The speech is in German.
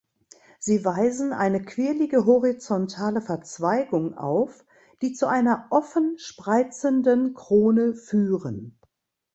Sie weisen eine quirlige, horizontale Verzweigung auf, die zu einer offen spreizenden Krone führen.